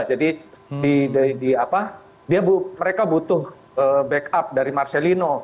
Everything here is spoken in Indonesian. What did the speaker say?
jadi mereka butuh backup dari marcelino